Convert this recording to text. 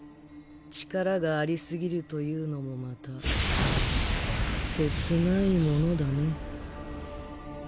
力がありすぎるというのもまた切ないものだね。